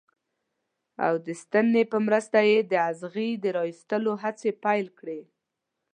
او د ستنې په مرسته یې د اغزي د را ویستلو هڅې پیل کړې.